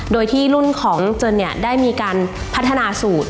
โดยที่รุ่นของเจินเนี่ยได้มีการพัฒนาสูตร